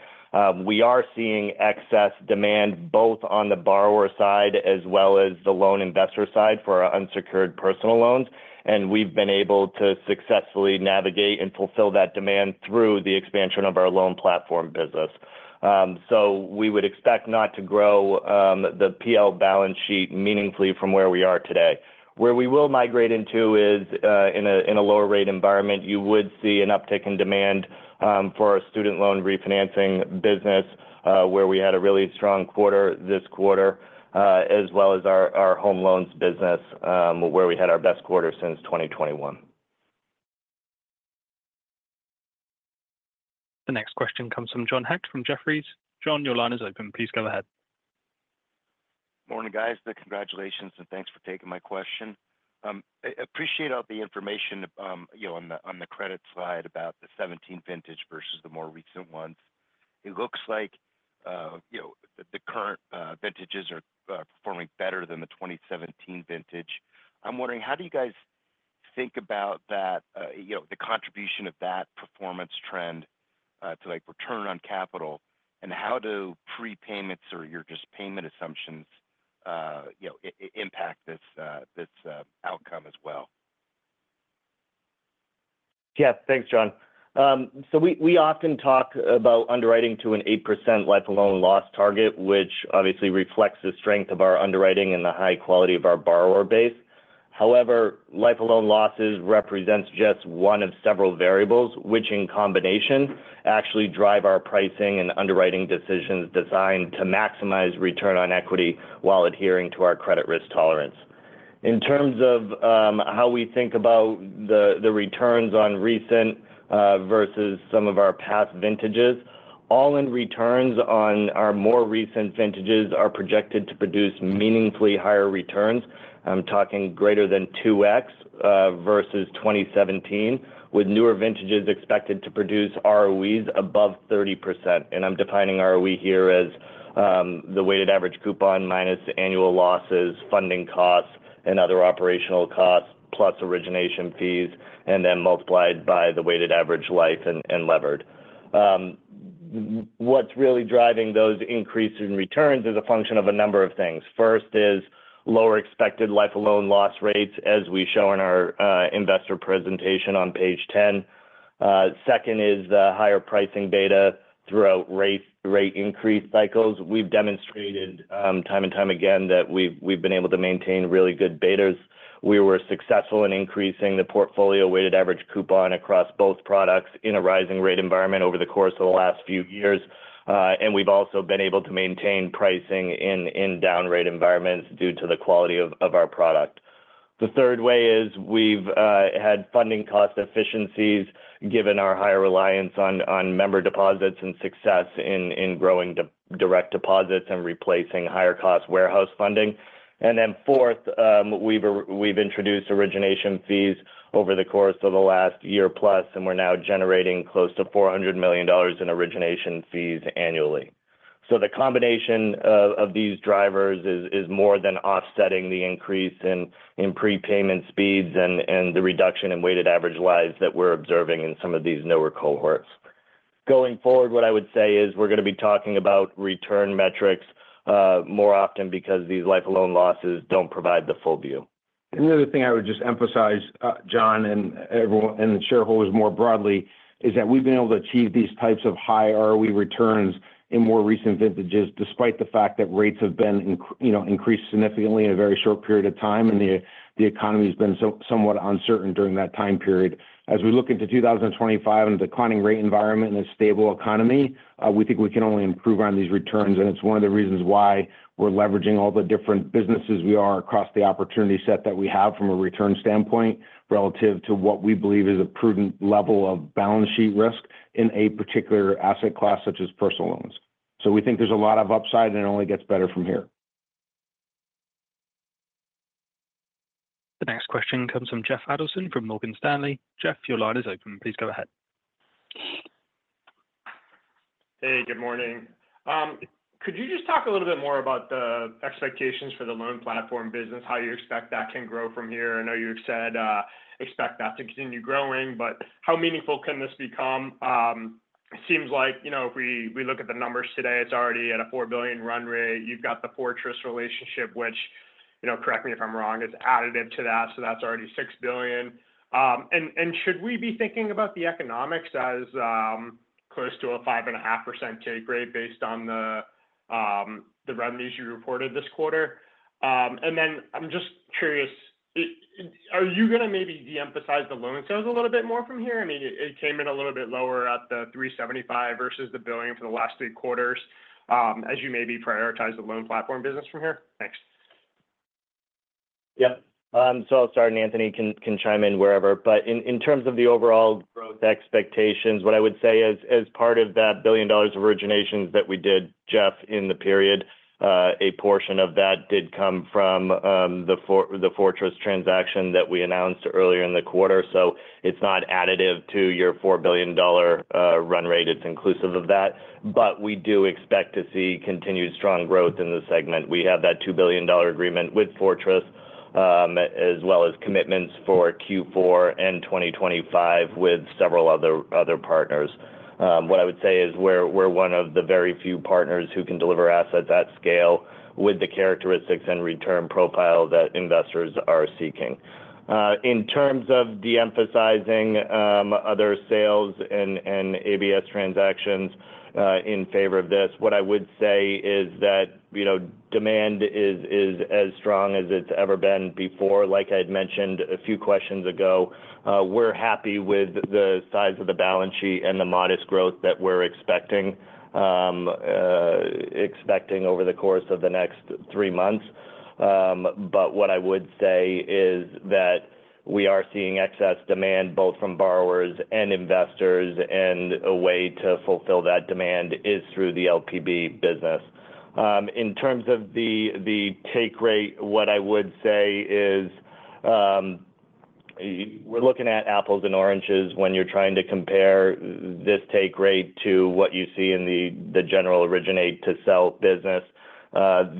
We are seeing excess demand both on the borrower side as well as the loan investor side for our unsecured personal loans, and we've been able to successfully navigate and fulfill that demand through the expansion of our Loan Platform Business. So we would expect not to grow the PL balance sheet meaningfully from where we are today. Where we will migrate into is in a lower-rate environment, you would see an uptick in demand for our student loan refinancing business, where we had a really strong quarter this quarter, as well as our home loans business, where we had our best quarter since 2021. The next question comes from John Hecht from Jefferies. John, your line is open. Please go ahead. Morning, guys. Congratulations, and thanks for taking my question. I appreciate all the information on the credit side about the 2017 vintage versus the more recent ones. It looks like the current vintages are performing better than the 2017 vintage. I'm wondering, how do you guys think about the contribution of that performance trend to return on capital, and how do prepayments or your just payment assumptions impact this outcome as well? Yes. Thanks, John. So we often talk about underwriting to an 8% life of loan loss target, which obviously reflects the strength of our underwriting and the high quality of our borrower base. However, life of loan losses represent just one of several variables which, in combination, actually drive our pricing and underwriting decisions designed to maximize return on equity while adhering to our credit risk tolerance. In terms of how we think about the returns on recent versus some of our past vintages, all-in returns on our more recent vintages are projected to produce meaningfully higher returns. I'm talking greater than 2x versus 2017, with newer vintages expected to produce ROEs above 30%. And I'm defining ROE here as the weighted average coupon minus annual losses, funding costs, and other operational costs, plus origination fees, and then multiplied by the weighted average life and levered. What's really driving those increases in returns is a function of a number of things. First is lower expected life of loan loss rates, as we show in our investor presentation on page 10. Second is the higher pricing beta throughout rate increase cycles. We've demonstrated time and time again that we've been able to maintain really good betas. We were successful in increasing the portfolio weighted average coupon across both products in a rising rate environment over the course of the last few years. And we've also been able to maintain pricing in downrate environments due to the quality of our product. The third way is we've had funding cost efficiencies given our higher reliance on member deposits and success in growing direct deposits and replacing higher-cost warehouse funding. And then fourth, we've introduced origination fees over the course of the last year plus, and we're now generating close to $400 million in origination fees annually. So the combination of these drivers is more than offsetting the increase in prepayment speeds and the reduction in weighted average life that we're observing in some of these newer cohorts. Going forward, what I would say is we're going to be talking about return metrics more often because these lifetime loan losses don't provide the full view. And the other thing I would just emphasize, John, and everyone and shareholders more broadly, is that we've been able to achieve these types of high ROE returns in more recent vintages despite the fact that rates have been increased significantly in a very short period of time, and the economy has been somewhat uncertain during that time period. As we look into 2025 and a declining rate environment and a stable economy, we think we can only improve on these returns. And it's one of the reasons why we're leveraging all the different businesses we are across the opportunity set that we have from a return standpoint relative to what we believe is a prudent level of balance sheet risk in a particular asset class such as personal loans. So we think there's a lot of upside, and it only gets better from here. The next question comes from Jeff Adelson from Morgan Stanley. Jeff, your line is open. Please go ahead. Hey, good morning. Could you just talk a little bit more about the expectations for the Loan Platform Business, how you expect that can grow from here? I know you said expect that to continue growing, but how meaningful can this become? It seems like if we look at the numbers today, it's already at a $4 billion run rate. You've got the Fortress relationship, which, correct me if I'm wrong, is additive to that. So that's already $6 billion. And should we be thinking about the economics as close to a 5.5% take rate based on the revenues you reported this quarter? And then I'm just curious, are you going to maybe de-emphasize the loan sales a little bit more from here? I mean, it came in a little bit lower at the $375 million versus the $1 billion for the last three quarters, as you maybe prioritize the Loan Platform Business from here. Thanks. Yep. So I'll start, and Anthony can chime in wherever. But in term of the overall growth expectations, what I would say is as part of that $1 billion originations that we did, Jeff, in the period, a portion of that did come from the Fortress transaction that we announced earlier in the quarter. So it's not additive to your $4 billion run rate. It's inclusive of that. But we do expect to see continued strong growth in the segment. We have that $2 billion agreement with Fortress, as well as commitments for Q4 and 2025 with several other partners. What I would say is we're one of the very few partners who can deliver assets at scale with the characteristics and return profile that investors are seeking. In terms of de-emphasizing other sales and ABS transactions in favor of this, what I would say is that demand is as strong as it's ever been before. Like I had mentioned a few questions ago, we're happy with the size of the balance sheet and the modest growth that we're expecting over the course of the next three months. But what I would say is that we are seeing excess demand both from borrowers and investors, and a way to fulfill that demand is through the LPB business. In terms of the take rate, what I would say is we're looking at apples and oranges when you're trying to compare this take rate to what you see in the general originate-to-sell business.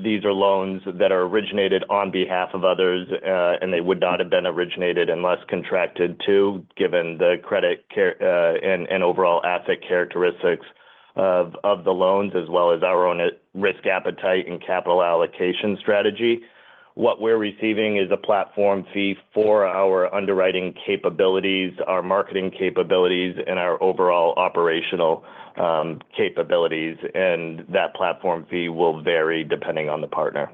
These are loans that are originated on behalf of others, and they would not have been originated unless contracted to, given the credit and overall asset characteristics of the loans, as well as our own risk appetite and capital allocation strategy. What we're receiving is a platform fee for our underwriting capabilities, our marketing capabilities, and our overall operational capabilities, and that platform fee will vary depending on the partner.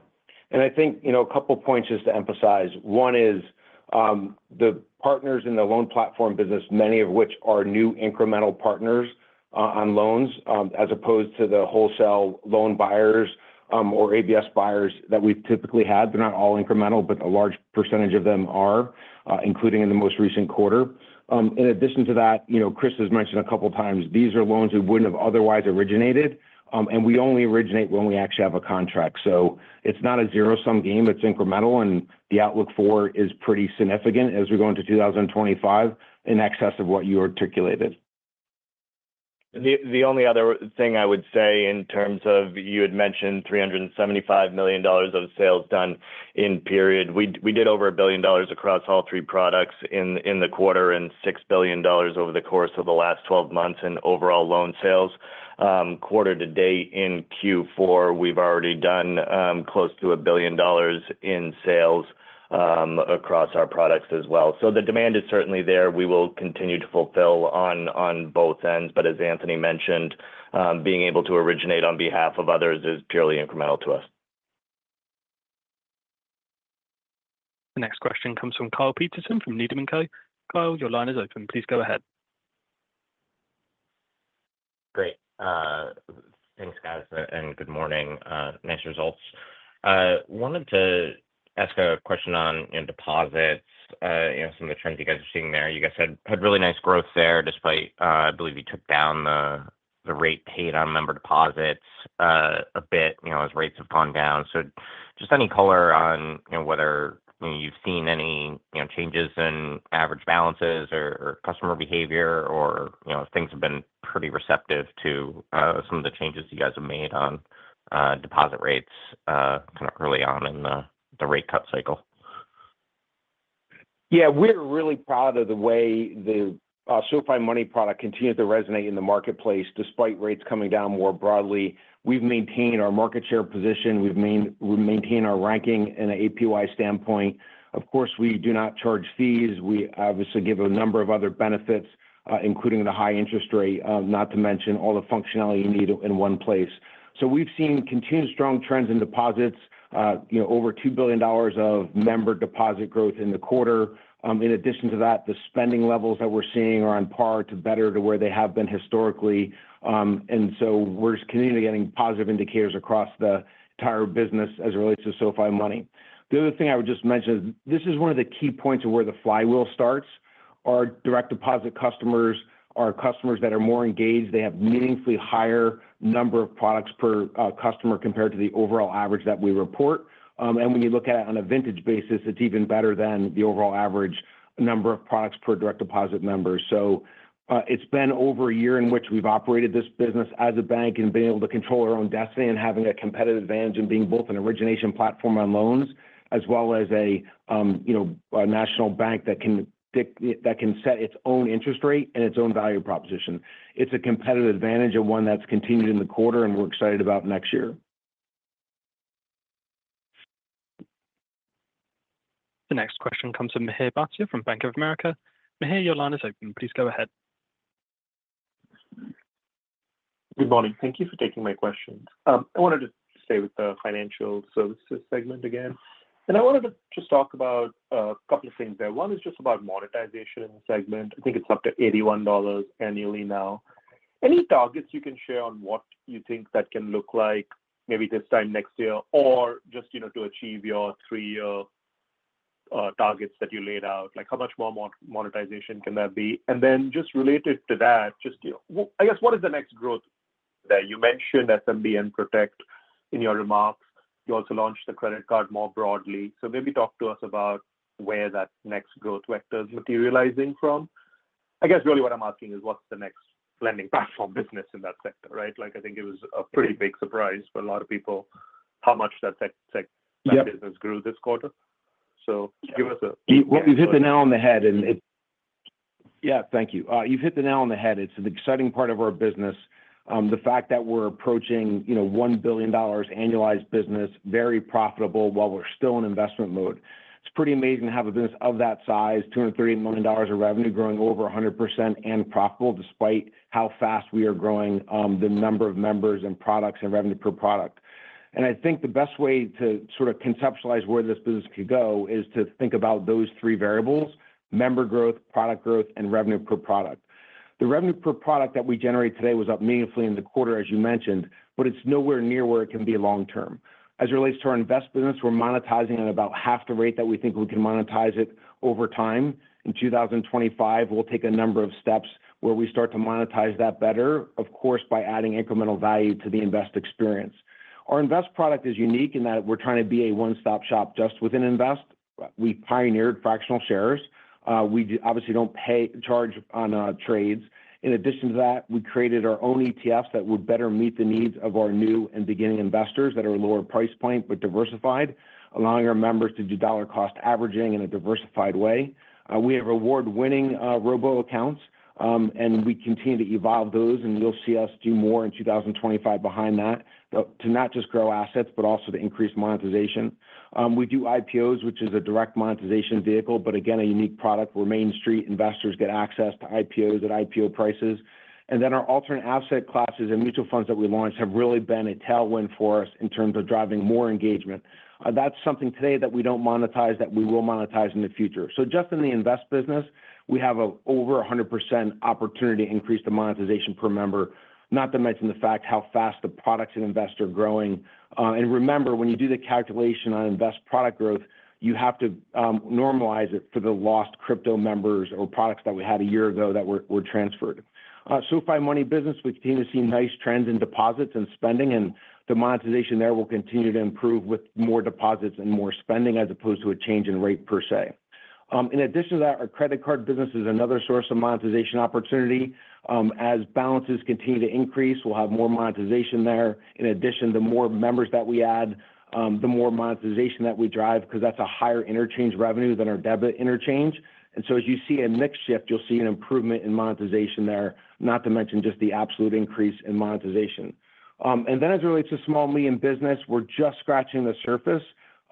And I think a couple of points just to emphasize. One is the partners in the Loan Platform Business, many of which are new incremental partners on loans, as opposed to the wholesale loan buyers or ABS buyers that we've typically had. They're not all incremental, but a large percentage of them are, including in the most recent quarter. In addition to that, Chris has mentioned a couple of times, these are loans we wouldn't have otherwise originated, and we only originate when we actually have a contract, so it's not a zero-sum game. It's incremental, and the outlook forward is pretty significant as we go into 2025 in excess of what you articulated. The only other thing I would say in terms of you had mentioned $375 million of sales done in period. We did over $1 billion across all three products in the quarter and $6 billion over the course of the last 12 months in overall loan sales. Quarter to date in Q4, we've already done close to $1 billion in sales across our products as well. So the demand is certainly there. We will continue to fulfill on both ends. But as Anthony mentioned, being able to originate on behalf of others is purely incremental to us. The next question comes from Kyle Peterson from Needham & Co. Kyle, your line is open. Please go ahead. Great. Thanks, guys, and good morning. Nice results. Wanted to ask a question on deposits, some of the trends you guys are seeing there. You guys had really nice growth there despite, I believe, you took down the rate paid on member deposits a bit as rates have gone down. So just any color on whether you've seen any changes in average balances or customer behavior, or things have been pretty receptive to some of the changes you guys have made on deposit rates kind of early on in the rate cut cycle. Yeah. We're really proud of the way the SoFi Money product continues to resonate in the marketplace despite rates coming down more broadly. We've maintained our market share position. We've maintained our ranking in an APY standpoint. Of course, we do not charge fees. We obviously give a number of other benefits, including the high interest rate, not to mention all the functionality you need in one place. We have seen continued strong trends in deposits, over $2 billion of member deposit growth in the quarter. In addition to that, the spending levels that we are seeing are on par or better than where they have been historically. We are continually getting positive indicators across the entire business as it relates to SoFi Money. The other thing I would just mention is this is one of the key points of where the flywheel starts. Our direct deposit customers are customers that are more engaged. They have a meaningfully higher number of products per customer compared to the overall average that we report. When you look at it on a vintage basis, it is even better than the overall average number of products per direct deposit member. So it's been over a year in which we've operated this business as a bank and been able to control our own destiny and having a competitive advantage in being both an origination platform on loans as well as a national bank that can set its own interest rate and its own value proposition. It's a competitive advantage and one that's continued in the quarter, and we're excited about next year. The next question comes from Mihir Bhatia from Bank of America. Mihir, your line is open. Please go ahead. Good morning. Thank you for taking my question. I wanted to stay with the Financial Services segment again. And I wanted to just talk about a couple of things there. One is just about monetization in the segment. I think it's up to $81 annually now. Any targets you can share on what you think that can look like maybe this time next year or just to achieve your three-year targets that you laid out? How much more monetization can there be? And then just related to that, I guess, what is the next growth there? You mentioned SMB and Protect in your remarks. You also launched the credit card more broadly. So maybe talk to us about where that next growth vector is materializing from. I guess really what I'm asking is what's the next Lending Platform Business in that sector, right? I think it was a pretty big surprise for a lot of people how much that business grew this quarter. So give us a. You hit the nail on the head, and it. Yeah, thank you. You've hit the nail on the head. It's the exciting part of our business, the fact that we're approaching $1 billion annualized business, very profitable while we're still in investment mode. It's pretty amazing to have a business of that size, $238 million of revenue growing over 100% and profitable despite how fast we are growing the number of members and products and revenue per product. And I think the best way to sort of conceptualize where this business could go is to think about those three variables: member growth, product growth, and revenue per product. The revenue per product that we generate today was up meaningfully in the quarter, as you mentioned, but it's nowhere near where it can be long-term. As it relates to our Invest business, we're monetizing at about half the rate that we think we can monetize it over time. In 2025, we'll take a number of steps where we start to monetize that better, of course, by adding incremental value to the Invest experience. Our Invest product is unique in that we're trying to be a one-stop shop just within Invest. We pioneered fractional shares. We obviously don't charge on trades. In addition to that, we created our own ETFs that would better meet the needs of our new and beginning investors that are a lower price point but diversified, allowing our members to do dollar-cost averaging in a diversified way. We have award-winning robo accounts, and we continue to evolve those, and you'll see us do more in 2025 behind that to not just grow assets, but also to increase monetization. We do IPOs, which is a direct monetization vehicle, but again, a unique product where Main Street investors get access to IPOs at IPO prices. Our alternative asset classes and mutual funds that we launched have really been a tailwind for us in terms of driving more engagement. That's something today that we don't monetize that we will monetize in the future. Just in the Invest business, we have an over 100% opportunity increase to monetization per member, not to mention the fact how fast the products in Invest are growing. Remember, when you do the calculation on Invest product growth, you have to normalize it for the lost crypto members or products that we had a year ago that were transferred. SoFi Money business, we continue to see nice trends in deposits and spending, and the monetization there will continue to improve with more deposits and more spending as opposed to a change in rate per se. In addition to that, our credit card business is another source of monetization opportunity. As balances continue to increase, we'll have more monetization there. In addition, the more members that we add, the more monetization that we drive because that's a higher interchange revenue than our debit interchange. And so as you see a mixed shift, you'll see an improvement in monetization there, not to mention just the absolute increase in monetization. And then as it relates to small medium business, we're just scratching the surface.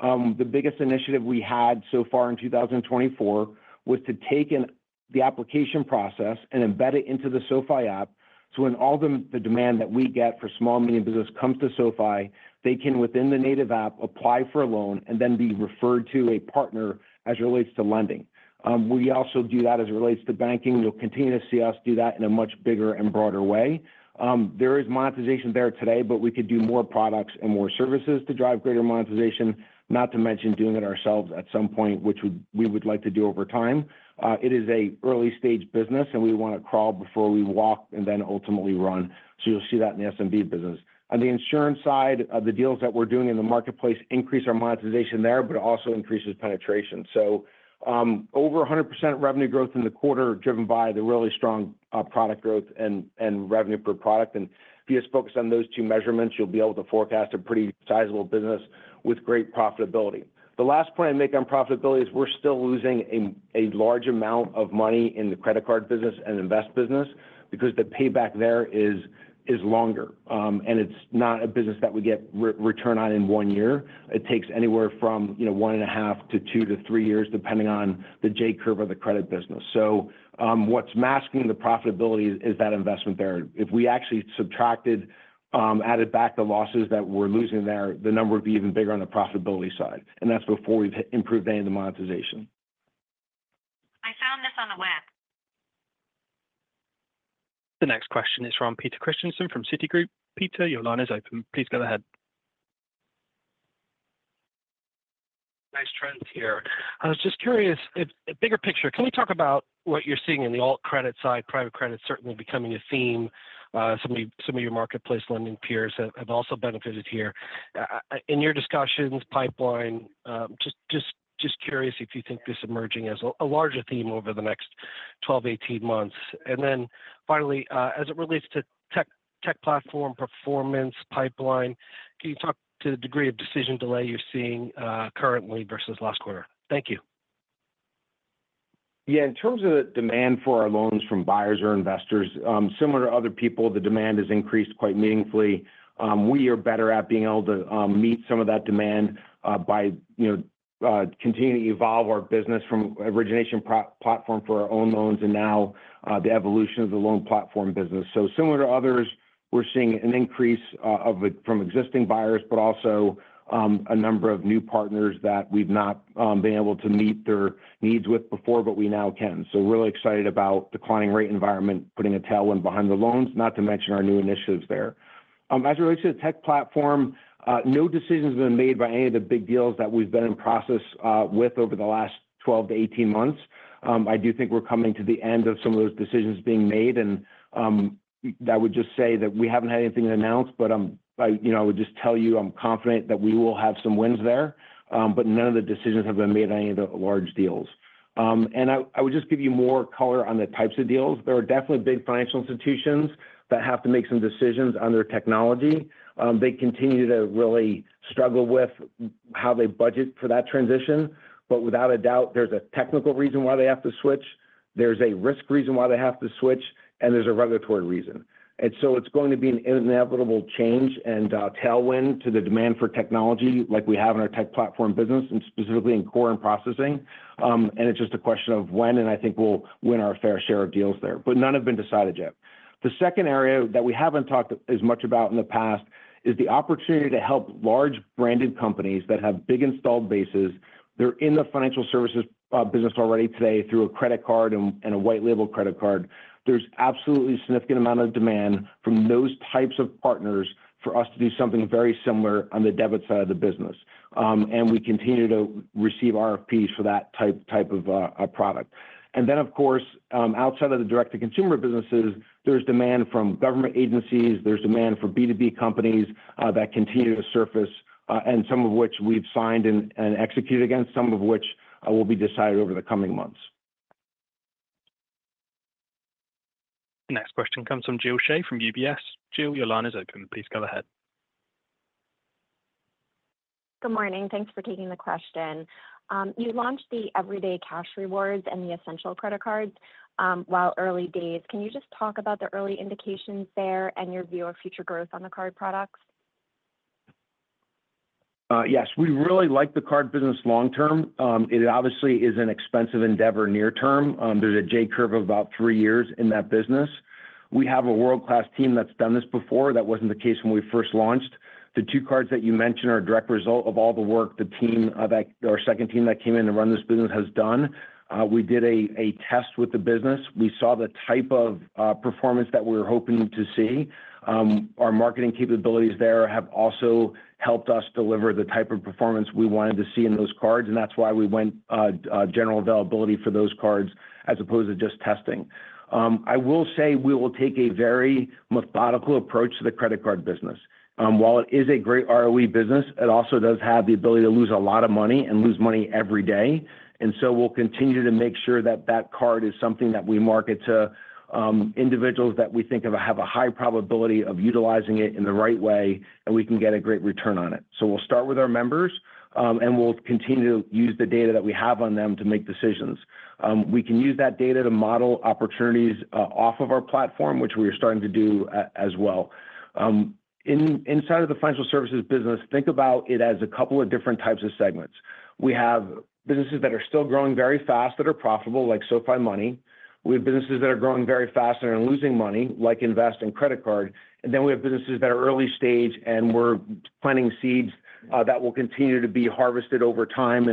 The biggest initiative we had so far in 2024 was to take the application process and embed it into the SoFi app. So when all the demand that we get for small medium business comes to SoFi, they can, within the native app, apply for a loan and then be referred to a partner as it relates to lending. We also do that as it relates to banking. You'll continue to see us do that in a much bigger and broader way. There is monetization there today, but we could do more products and more services to drive greater monetization, not to mention doing it ourselves at some point, which we would like to do over time. It is an early-stage business, and we want to crawl before we walk and then ultimately run. So you'll see that in the SMB business. On the insurance side, the deals that we're doing in the marketplace increase our monetization there, but it also increases penetration. So over 100% revenue growth in the quarter driven by the really strong product growth and revenue per product. And if you just focus on those two measurements, you'll be able to forecast a pretty sizable business with great profitability. The last point I make on profitability is we're still losing a large amount of money in the Credit Card business and Invest business because the payback there is longer, and it's not a business that we get return on in one year. It takes anywhere from 1.5 years to two to three years, depending on the J-curve of the credit business. So what's masking the profitability is that investment there. If we actually subtracted, added back the losses that we're losing there, the number would be even bigger on the profitability side, and that's before we've improved any of the monetization. The next question is from Peter Christiansen from Citigroup. Peter, your line is open. Please go ahead. Nice trends here. I was just curious, bigger picture, can we talk about what you're seeing in the alt credit side, private credit certainly becoming a theme? Some of your marketplace lending peers have also benefited here. In your discussions, pipeline, just curious if you think this is emerging as a larger theme over the next 12-18 months. And then finally, as it relates to Tech Platform performance pipeline, can you talk to the degree of decision delay you're seeing currently versus last quarter? Thank you. Yeah. In terms of the demand for our loans from buyers or investors, similar to other people, the demand has increased quite meaningfully. We are better at being able to meet some of that demand by continuing to evolve our business from origination platform for our own loans and now the evolution of the Loan Platform Business. So similar to others, we're seeing an increase from existing buyers, but also a number of new partners that we've not been able to meet their needs with before, but we now can. So really excited about the climbing rate environment, putting a tailwind behind the loans, not to mention our new initiatives there. As it relates to the Tech Platform, no decisions have been made by any of the big deals that we've been in process with over the last 12 to 18 months. I do think we're coming to the end of some of those decisions being made. And I would just say that we haven't had anything to announce, but I would just tell you I'm confident that we will have some wins there, but none of the decisions have been made on any of the large deals. And I would just give you more color on the types of deals. There are definitely big financial institutions that have to make some decisions on their technology. They continue to really struggle with how they budget for that transition. But without a doubt, there's a technical reason why they have to switch. There's a risk reason why they have to switch, and there's a regulatory reason. And so it's going to be an inevitable change and tailwind to the demand for technology like we have in our Tech Platform business, and specifically in core and processing. And it's just a question of when, and I think we'll win our fair share of deals there. But none have been decided yet. The second area that we haven't talked as much about in the past is the opportunity to help large branded companies that have big installed bases. They're in the financial services business already today through a credit card and a white-label credit card. There's absolutely a significant amount of demand from those types of partners for us to do something very similar on the debit side of the business. And we continue to receive RFPs for that type of product. And then, of course, outside of the direct-to-consumer businesses, there's demand from government agencies. There's demand for B2B companies that continue to surface, and some of which we've signed and executed against, some of which will be decided over the coming months. The next question comes from Jill Shea from UBS. Jill, your line is open. Please go ahead. Good morning. Thanks for taking the question. You launched the Everyday Cash Rewards and the Essential Credit Card while early days. Can you just talk about the early indications there and your view of future growth on the card products? Yes. We really like the card business long-term. It obviously is an expensive endeavor near-term. There's a J-curve of about three years in that business. We have a world-class team that's done this before. That wasn't the case when we first launched. The two cards that you mentioned are a direct result of all the work the team that our second team that came in to run this business has done. We did a test with the business. We saw the type of performance that we were hoping to see. Our marketing capabilities there have also helped us deliver the type of performance we wanted to see in those cards, and that's why we went general availability for those cards as opposed to just testing. I will say we will take a very methodical approach to the credit card business. While it is a great ROE business, it also does have the ability to lose a lot of money and lose money every day. And so we'll continue to make sure that that card is something that we market to individuals that we think have a high probability of utilizing it in the right way, and we can get a great return on it. So we'll start with our members, and we'll continue to use the data that we have on them to make decisions. We can use that data to model opportunities off of our platform, which we are starting to do as well. Inside of the financial services business, think about it as a couple of different types of segments. We have businesses that are still growing very fast that are profitable, like SoFi Money. We have businesses that are growing very fast and are losing money, like Invest and Credit Card. And then we have businesses that are early stage, and we're planting seeds that will continue to be harvested over time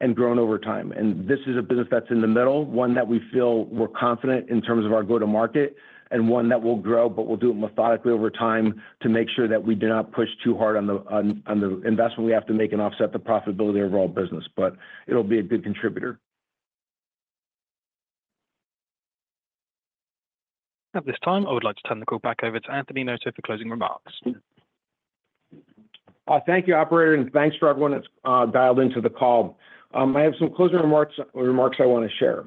and grown over time. And this is a business that's in the middle, one that we feel we're confident in terms of our go-to-market, and one that will grow, but we'll do it methodically over time to make sure that we do not push too hard on the investment we have to make and offset the profitability of our business. But it'll be a good contributor. At this time, I would like to turn the call back over to Anthony Noto for closing remarks. Thank you, Operator, and thanks for everyone that's dialed into the call. I have some closing remarks I want to share.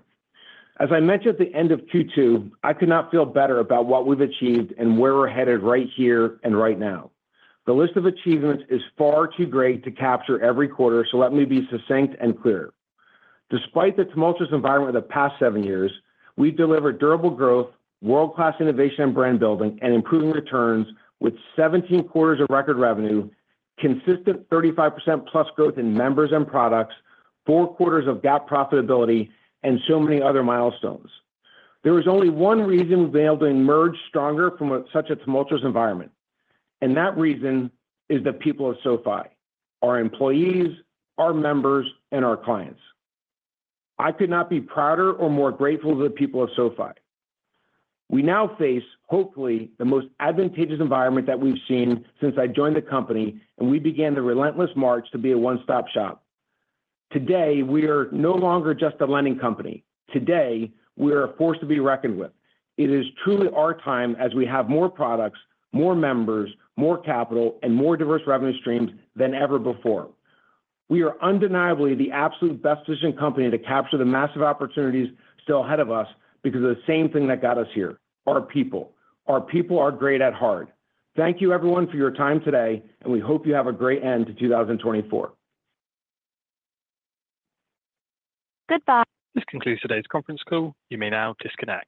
As I mentioned at the end of Q2, I could not feel better about what we've achieved and where we're headed right here and right now. The list of achievements is far too great to capture every quarter, so let me be succinct and clear. Despite the tumultuous environment of the past seven years, we've delivered durable growth, world-class innovation and brand building, and improving returns with 17 quarters of record revenue, consistent 35% plus growth in members and products, four quarters of GAAP profitability, and so many other milestones. There is only one reason we've been able to emerge stronger from such a tumultuous environment, and that reason is the people of SoFi: our employees, our members, and our clients. I could not be prouder or more grateful to the people of SoFi. We now face, hopefully, the most advantageous environment that we've seen since I joined the company, and we began the relentless march to be a one-stop shop. Today, we are no longer just a lending company. Today, we are a force to be reckoned with. It is truly our time as we have more products, more members, more capital, and more diverse revenue streams than ever before. We are undeniably the absolute best-positioned company to capture the massive opportunities still ahead of us because of the same thing that got us here: our people. Our people are great at heart. Thank you, everyone, for your time today, and we hope you have a great end to 2024. This concludes today's conference call. You may now disconnect.